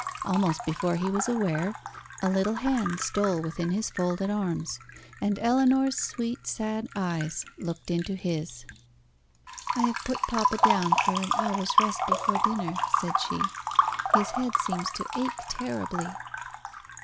Almost before he was aware, a little hand stole within his folded arms, and Ellinor's sweet sad eyes looked into his. "I have put papa down for an hour's rest before dinner," said she. "His head seems to ache terribly."